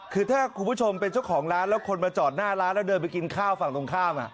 คือถ้าคุณผู้ชมเป็นเจ้าของร้านแล้วคนมาจอดหน้าร้านแล้วเดินไปกินข้าวฝั่งตรงข้าม